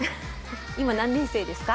今何年生ですか？